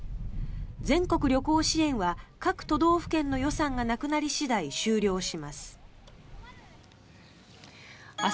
全国旅行支援は各都道府県の予算がなくなり次第終了します。